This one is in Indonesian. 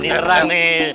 nih terang nih